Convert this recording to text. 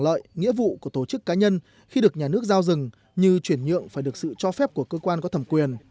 lợi nghĩa vụ của tổ chức cá nhân khi được nhà nước giao rừng như chuyển nhượng phải được sự cho phép của cơ quan có thẩm quyền